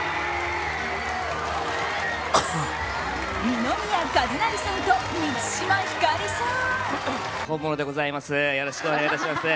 二宮和也さんと満島ひかりさん。